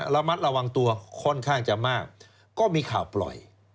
ระมัดระวังตัวค่อนข้างจะมากก็มีข่าวปล่อย